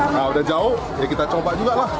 nah udah jauh ya kita coba juga lah